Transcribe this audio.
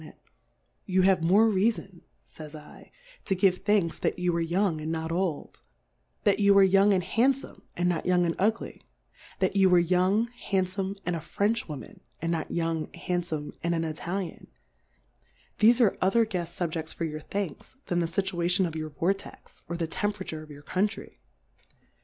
You r 3 31 Difcourfes on the You have more Reafon, fays /, to give Thanks that you are Young and not Old ; that you are Young and Handfom, and not Young and Ugly ; that you are Young, Handfora, and a French Woman, and not Young, Handfom, and an ltalia7i ; thefe are Gther guefs Subjefts for your Thanks, than the Scituation of your Vortex, or the Temperature of your Country.